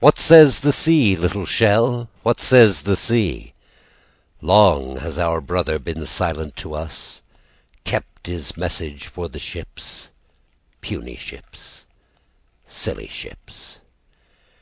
"What says the sea, little shell? "What says the sea? "Long has our brother been silent to us, "Kept is message for the ships, "Puny ships, silly ships."